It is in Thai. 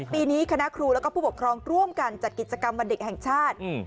ปีนี้คณะครูแล้วก็ผู้ปกครองร่วมกันจัดกิจกรรมวันเด็กแห่งชาติ